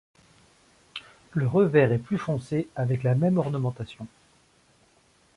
Le revers est plus foncé avec la même ornementation.